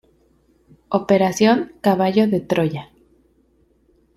Operación Caballo de Troya".